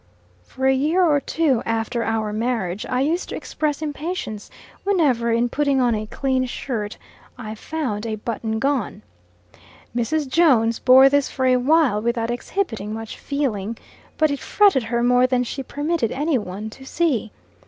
For a year or two after our marriage, I used to express impatience, whenever, in putting on a clean shirt, I found a button gone. Mrs. Jones, bore this for a while without exhibiting much feeling. But it fretted her more than she permitted any one to see.